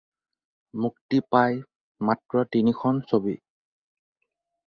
মুক্তি পায় মাত্ৰ তিনিখন ছবি।